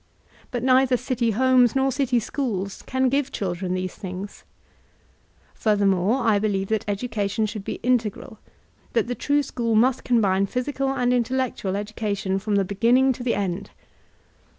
But neither city homes nor city schoob can give children these things. Furthermore, I believe that education should be integral; that the true schcx>l must combine physical and intellectual education from the be ginning to the end.